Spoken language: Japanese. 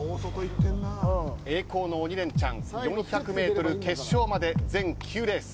栄光の鬼レンチャン４００ｍ決勝まで全９レース。